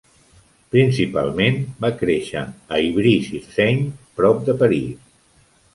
Principalment, va créixer a Ivry-sur-Seine, prop de París.